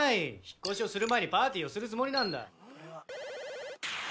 引っ越しをする前にパーティーをするつもりなんだ」